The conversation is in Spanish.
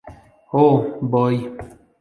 Oh, Boy!